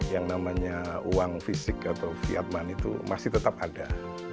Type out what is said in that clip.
yang namanya uang fisik atau fiat money itu masih tetap ada